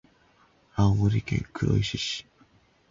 青森県黒石市